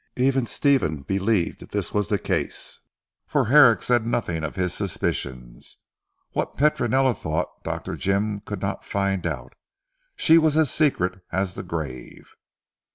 Even Stephen believed that this was the case, for Herrick said nothing of his suspicions. What Petronella thought Dr. Jim could not find out. She was as secret as the grave.